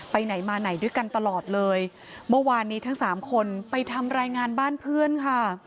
ไปไหนมาไหนด้วยกันตลอดเลยเมื่อวานนี้ทั้งสามคนไปทำรายงานบ้านเพื่อนค่ะ